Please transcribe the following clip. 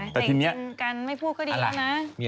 แต่ทีนี้แต่จริงกันไม่พูดก็ดีนะ